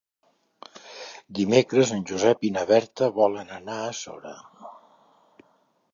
Dimecres en Josep i na Berta volen anar a Sora.